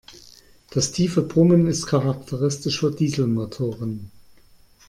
Das tiefe Brummen ist charakteristisch für Dieselmotoren.